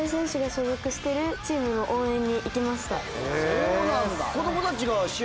そうなんだ。